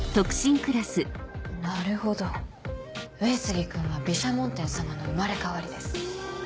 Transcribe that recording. なるほど上杉君は毘沙門天様の生まれ変わりです。